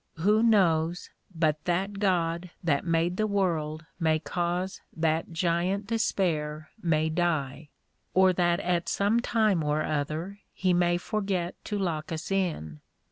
Who knows but that God that made the world may cause that Giant Despair may die? or that at some time or other he may forget to lock us in?